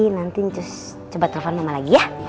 nanti terus coba telepon mama lagi ya